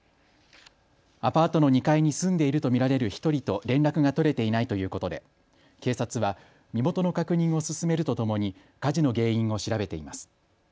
アパートの２階に住んでいると見られる１人と連絡が取れていないということで警察は身元の確認を進めるとともに火事の原因を調べています。